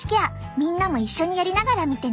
みんなも一緒にやりながら見てね！